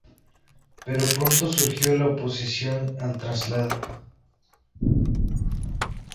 Pero pronto surgió la oposición al traslado.